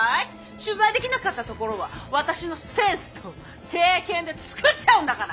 取材できなかったところは私のセンスと経験で作っちゃうんだから。